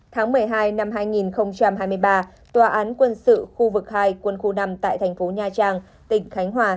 tháng một mươi hai năm hai nghìn hai mươi ba tòa án quân sự khu vực hai quân khu năm tại thành phố nha trang tỉnh khánh hòa